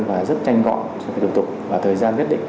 và rất nhanh gọn về thủ tục và thời gian quyết định